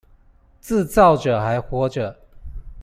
自造者還活著